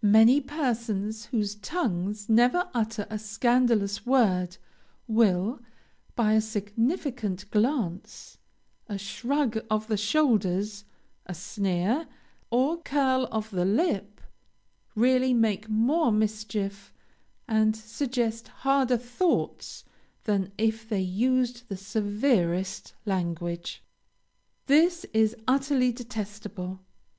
Many persons, whose tongues never utter a scandalous word, will, by a significant glance, a shrug of the shoulders, a sneer, or curl of the lip, really make more mischief, and suggest harder thoughts than if they used the severest language. This is utterly detestable.